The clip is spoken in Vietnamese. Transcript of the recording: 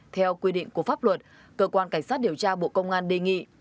theo quy định của pháp luật cơ quan cảnh sát điều tra bộ công an đề nghị